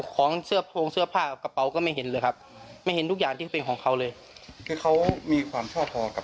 ก็แค่ชอบมั้งครับ